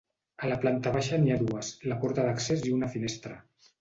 A la planta baixa n'hi ha dues, la porta d'accés i una finestra.